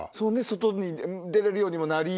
外に出れるようにもなり。